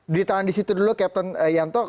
ditahan di situ dulu captain yanto